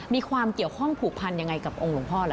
มีความเกี่ยวข้องผูกพันยังไงกับองค์หลวงพ่อล่ะ